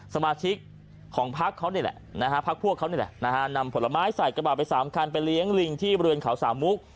สมาชิกของภักดิ์พวกนี้แหละนำผลไม้ใส่กระบาดไปสามกันไปเลี้ยงริงที่เบรืองเขาสามมุก